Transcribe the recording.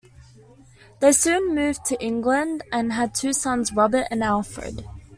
They soon moved to England and had two sons, Robert and Alfred.